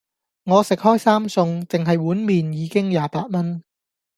我食開三餸,淨係碗麵已經廿八蚊